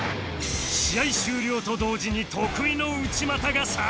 試合終了と同時に得意の内股が炸裂！